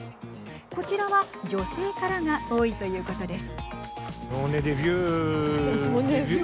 こちらは女性からが多いということです。